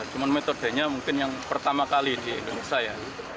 cuma metodenya mungkin yang pertama kali di indonesia ya